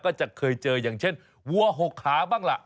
ก็จะเคยเจออย่างเช่นวัว๖ขาบ้างล่ะ